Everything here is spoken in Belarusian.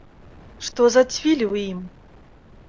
Што за цвіль у ім?